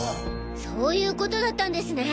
そういう事だったんですね。